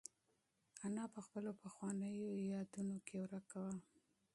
انا په خپلو پخوانیو یادونو کې ورکه وه.